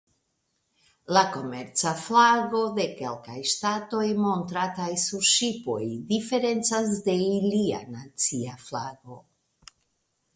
La komerca flago de kelkaj ŝtatoj montrataj sur ŝipoj diferencas de ilia nacia flago.